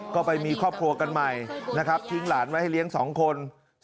ก็ไปมีครอบครัวกันใหม่นะครับทิ้งหลานไว้ให้เลี้ยง๒คน